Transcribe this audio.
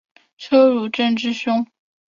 车汝震之兄。